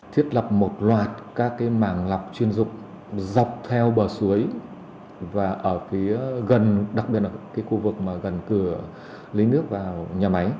thiết lập một loạt các mảng lọc chuyên dục dọc theo bờ suối và ở phía gần đặc biệt là khu vực gần cửa lý nước vào nhà máy